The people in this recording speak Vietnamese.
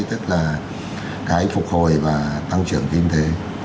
tức là cái phục hồi và tăng trưởng kinh tế